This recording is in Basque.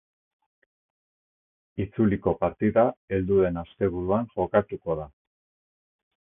Itzuliko partida heldu den asteburuan jokatuko da.